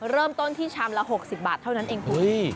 เริ่มต้นที่ชามละ๖๐บาทเท่านั้นเองคุณ